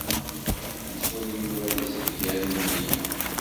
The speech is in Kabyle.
Nettwali Yuba d azedgan n nneyya.